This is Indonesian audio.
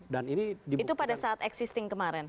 dan ini dibuka itu pada saat existing kemarin